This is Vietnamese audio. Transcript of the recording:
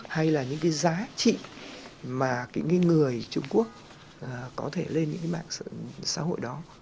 hay là những cái giá trị mà cái người trung quốc có thể lên những cái mạng xã hội đó